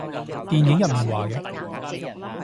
電影入面話嘅